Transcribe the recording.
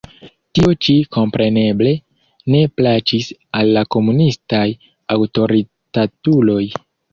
Tio-ĉi, kompreneble, ne plaĉis al la komunistaj aŭtoritatuloj.